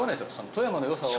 富山の良さを。